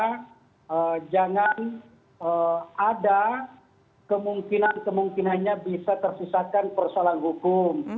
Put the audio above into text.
karena jangan ada kemungkinan kemungkinannya bisa tersisakan persoalan hukum